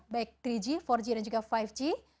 baik tiga g empat g dan juga lima g